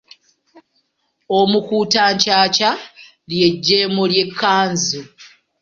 Omukuutankyakya ly’eggemo ly’ekkanzu.